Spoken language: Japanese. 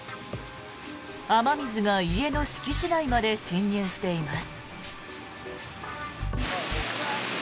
雨水が家の敷地内まで浸入しています。